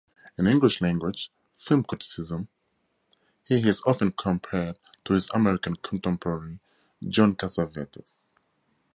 In English-language film criticism, he is often compared to his American contemporary John Cassavetes.